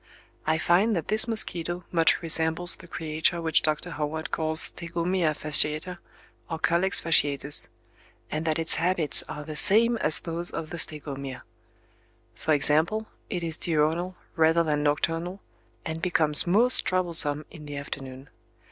I find that this mosquito much resembles the creature which Dr. Howard calls Stegomyia fasciata, or Culex fasciatus: and that its habits are the same as those of the Stegomyia. For example, it is diurnal rather than nocturnal and becomes most troublesome in the afternoon.